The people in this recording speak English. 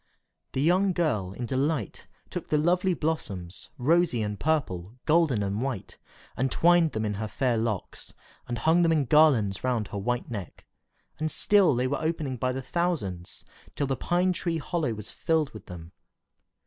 The young girl, in delight, took the lovely blossoms, rosy and purple, golden and white, and twined them in her fair locks, and hung them in garlands round her white neck; and still they were opening by thousands, till the pine tree hollow was filled with them.